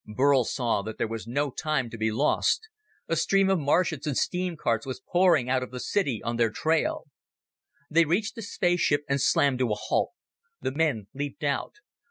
Burl saw that there was no time to be lost. A stream of Martians and steam carts was pouring out of the city on their trail. They reached the spaceship and slammed to a halt. The men leaped out.